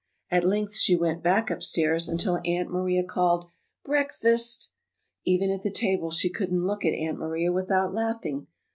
At length she Went back upstairs until Aunt Maria called, "Breakfast!" Even at the table she couldn't look at Aunt Maria without laughing.